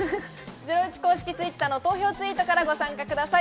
『ゼロイチ』公式Ｔｗｉｔｔｅｒの投票ツイートからご参加ください。